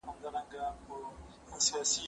زه به سبا د ليکلو تمرين کوم؟!